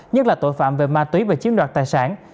nhất là tội phạm về ma túy và chiếm đoạt tài sản